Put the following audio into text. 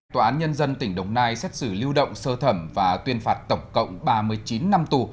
tòa án nhân dân tỉnh đồng nai xét xử lưu động sơ thẩm và tuyên phạt tổng cộng ba mươi chín năm tù